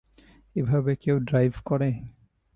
এভাবে কেউ ড্রাইভ করে?